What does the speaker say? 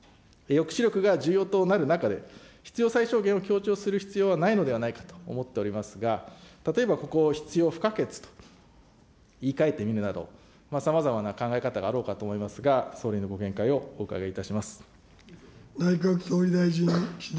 抑止力が重要となる中で、必要最小限を強調する必要はないのではないかと思っておりますが、例えば、ここ必要不可欠と言い換えてみるなど、さまざまな考え方があろうかと思いますが、総理のご見解をお伺いいたします。